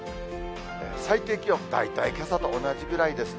最低気温、大体けさと同じぐらいですね。